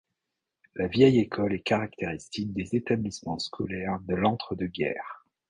La vieille école est caractéristique des établissements scolaires de l'entre-deux-guerres.